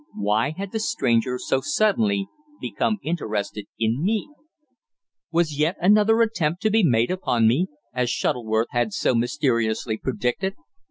Why had the stranger so suddenly become interested in me? Was yet another attempt to be made upon me, as Shuttleworth had so mysteriously predicted?